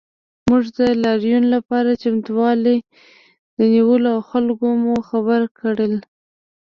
موږ د لاریون لپاره چمتووالی ونیو او خلک مو خبر کړل